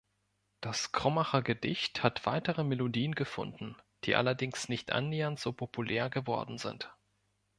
Das Krummacher-Gedicht hat weitere Melodien gefunden, die allerdings nicht annähernd so populär geworden sind.